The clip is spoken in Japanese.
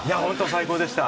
最高でした。